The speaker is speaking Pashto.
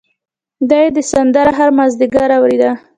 دای دا سندره هر مازدیګر اورېده.